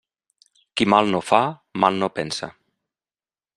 Qui mal no fa, mal no pensa.